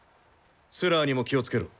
スラーにも気を付けろ。